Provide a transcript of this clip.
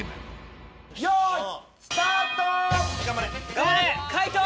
頑張れ！